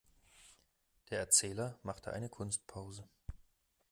Der Erzähler machte eine Kunstpause.